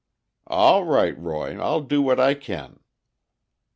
"All right, Roy, I'll do what I kin."